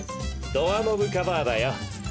ドアノブカバーだよ。